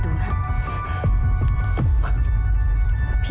พี่แรมมาเป็นของกู